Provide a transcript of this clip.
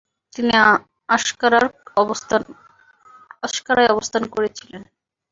তিনি আঙ্কারায় অবস্থান করছিলেন।